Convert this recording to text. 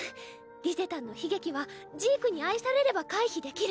リゼたんの悲劇はジークに愛されれば回避できる。